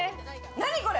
何これ！